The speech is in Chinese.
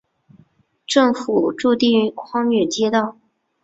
政府驻地匡远街道。